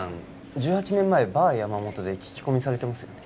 １８年前バー山本で聞き込みされてますよね？